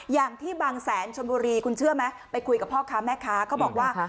อย่างที่บางแสนชนบุรีคุณเชื่อไหมไปคุยกับพ่อค้าแม่ค้าก็บอกว่า